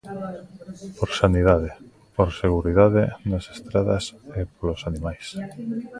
Por sanidade, por seguridade nas estradas e polos animais.